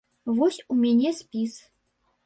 Вось у мене спіс.